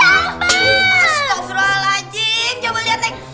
astaghfirullahaladzim coba lihat nek